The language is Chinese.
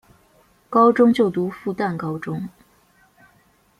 高中就读复旦高中。